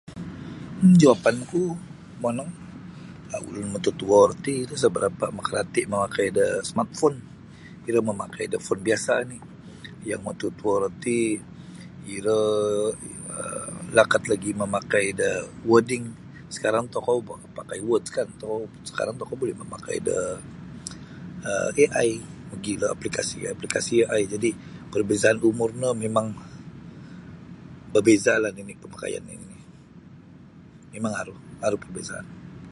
Jawapan ku um monong ulun matatuo ro ti isa barapa makarati mamakai da smartphone iro mamakai da phone biasa oni iyo matatuo ro ti iro um lakat lagi mamakai da wording sakarang tokou pakai words kan tokou sakarang tokou buli mamakai da um AI magilo aplikasi-aplikasi AI jadi perbezaan umur no memang bebeza lah nini pamakaian mimang aru aru perbezaan.